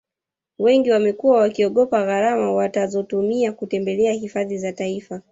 wengi wamekuwa wakiogopa gharama watazotumia kutembelea hifadhi za taifa